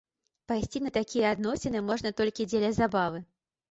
Пайсці на такія адносіны можна толькі дзеля забавы.